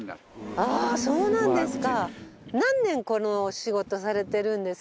あそうなんですか。